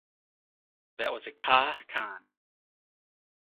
That was a Kha-Khan.